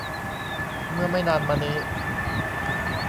เมื่อไม่นานมานี้